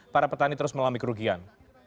para petani terus melami kerugian